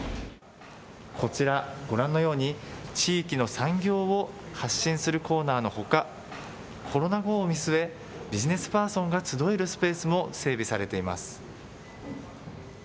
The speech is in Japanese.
こちら、ご覧のように地域の産業を発信するコーナーのほかコロナ後を見据えビジネスパーソンが集えるスペースも整備されています。